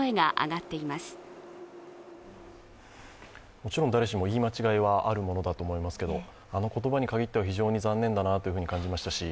もちろん誰しも言い間違いはあるものだと思いますけど、あの言葉に限っては非常に残念だなと感じましたし